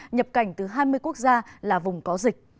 nhập cảnh từ hai mươi quốc gia là vùng có dịch